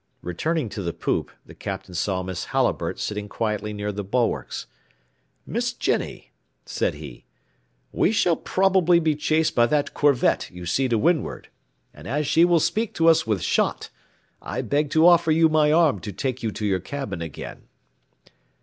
Returning to the poop, the Captain saw Miss Halliburtt sitting quietly near the bulwarks. "Miss Jenny," said he, "we shall probably be chased by that corvette you see to windward, and as she will speak to us with shot, I beg to offer you my arm to take you to your cabin again."